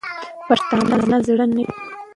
پښتانه زړه نه وهي.